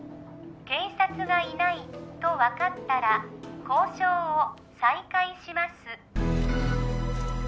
警察がいないと分かったら交渉を再開します